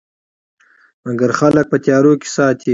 مګر خلک په تیارو کې ساتي.